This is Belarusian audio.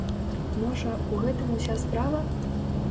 Можа, у гэтым уся справа?